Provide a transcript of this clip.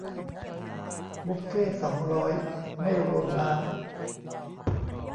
บุฟเฟ่ต์สองร้อย ไม่รวมน้ำ